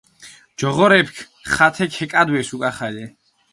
ჯოღორეფქ ხათე ქეკადვეს უკახალე.